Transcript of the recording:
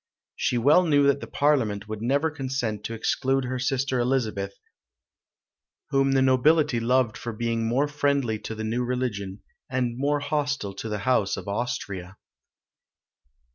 She well knew that the Parliament would never consent to exclude her sister Elizabeth, whom the nobility loved for being more friendly to the new religion, and more hostile to the house of Austria.